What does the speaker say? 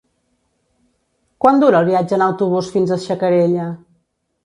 Quant dura el viatge en autobús fins a Xacarella?